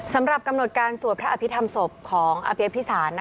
สำหรับกำหนดการสวดพระอภิษฐรรมศพของอเปียพิสาร